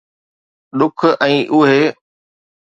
ڏک ۽ اهي